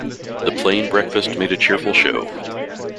The plain breakfast made a cheerful show.